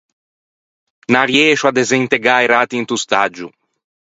N’arriëscio à desentegâ i ratti into staggio.